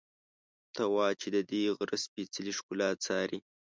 ته وا چې ددې غره سپېڅلې ښکلا څاري.